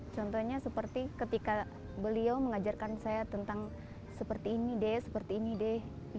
contohnya seperti ketika beliau mengajarkan saya tentang seperti ini deh seperti ini deh